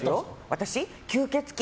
私、吸血鬼。